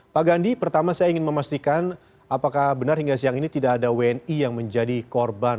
pak gandhi pertama saya ingin memastikan apakah benar hingga siang ini tidak ada wni yang menjadi korban